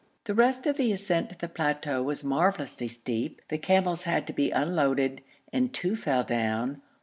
The rest of the ascent to the plateau was marvellously steep. The camels had to be unloaded, and two fell down.